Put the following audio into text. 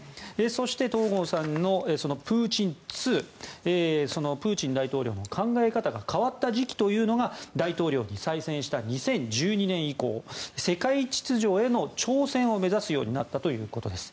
そして、東郷さんのプーチン２そのプーチン大統領の考え方が変わった時期というのが大統領に再選した２０１２年以降世界秩序への挑戦を目指すようになったということです。